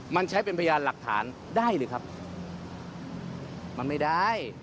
มันใช้เป็นพยานหลักฐานได้หรือครับมันไม่ได้